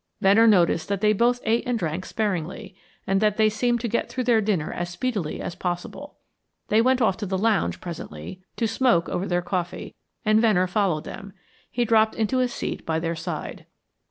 Venner noticed that they both ate and drank sparingly, and that they seemed to get through their dinner as speedily as possible. They went off to the lounge presently to smoke over their coffee, and Venner followed them. He dropped into a seat by their side.